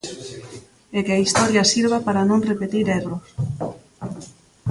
E que a Historia sirva para non repetir erros.